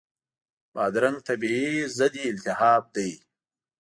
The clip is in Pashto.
بادرنګ طبیعي ضد التهاب دی.